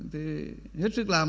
thì hết sức làm